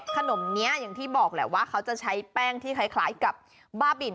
ขนมนี้อย่างที่บอกแหละว่าเขาจะใช้แป้งที่คล้ายกับบ้าบิน